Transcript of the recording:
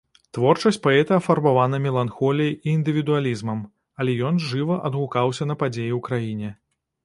Творчасць паэта афарбавана меланхоліяй і індывідуалізмам, але ён жыва адгукаўся на падзеі ў краіне.